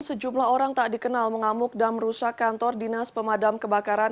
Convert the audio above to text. sejumlah orang tak dikenal mengamuk dan merusak kantor dinas pemadam kebakaran